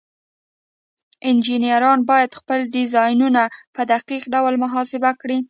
انجینران باید خپل ډیزاینونه په دقیق ډول محاسبه کړي.